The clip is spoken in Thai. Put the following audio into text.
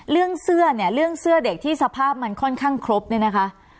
เรื่องเสื้อเนี่ยเรื่องเสื้อเด็กที่สภาพมันค่อนข้างครบเนี่ยนะคะ